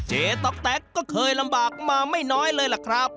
ต๊อกแต๊กก็เคยลำบากมาไม่น้อยเลยล่ะครับ